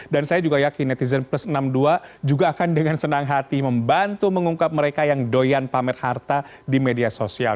dan saya juga yakin netizen plus enam puluh dua juga akan dengan senang hati membantu mengungkap mereka yang doyan pamer harta di media sosial